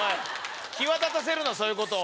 際立たせるなそういうことを。